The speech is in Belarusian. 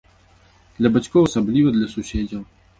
Для бацькоў асабліва, для суседзяў.